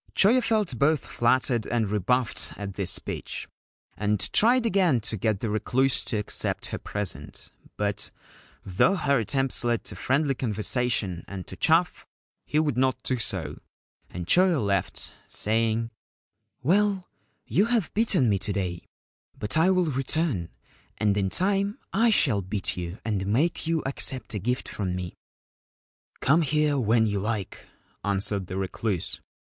211 Ancient Tales and Folklore of Japan Choyo felt both flattered and rebuffed at this speech, and tried again to get the Recluse to accept her present ; but, though her attempts led to friendly conversation and to chaff, he would not do so, and Choyo left, saying :' Well, you have beaten me to day ; but I will return, and in time I shall beat you and make you accept a gift from me/ ' Come here when you like,' answered the Recluse.